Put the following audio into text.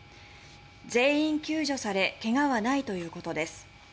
全員救助されけがはないということです。